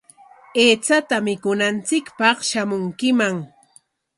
Aychata mikunanchikpaq shamunkiman.